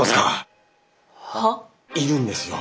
いるんですよ。